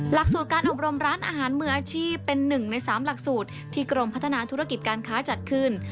หลักสูตรการอบรมร้านอาหารมืออาชีพเป็น๑ใน๓หลักสูตรที่กรมพัฒนาธุรกิจการค้าจัดขึ้น